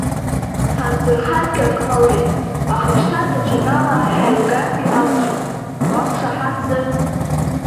Ҳанзырхазгьы ак ҟалеит, аха шьҭа даҽакала ҳаилгаргьы алшоит, уақәшаҳаҭзар?